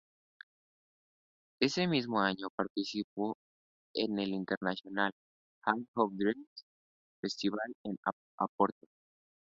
Ese mismo año participa en el International Hall of Dreams Festival en Oporto.